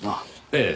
ええ。